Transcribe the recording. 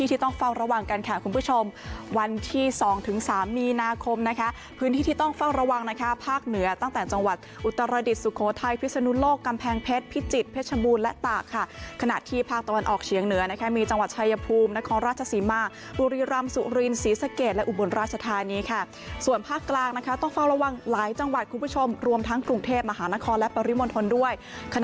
ที่๒๓มีนาคมนะคะพื้นที่ที่ต้องเฝ้าระวังนะคะภาคเหนือตั้งแต่จังหวัดอุตรรดิสุโขทัยพิสนุโลกกำแพงเพชรพิจิตรเพชรบูรณ์และตากค่ะขณะที่ภาคตะวันออกเฉียงเหนือนะคะมีจังหวัดชายพูมนครราชสิมาบุรีรำสุรินศรีสะเกดและอุบลราชทานี้ค่ะส่วนภาคกลางนะคะต้องเฝ้าระวังหลายจังหวัดค